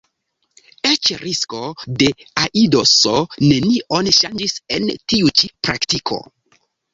Eĉ risko de aidoso nenion ŝanĝis en tiu ĉi praktiko.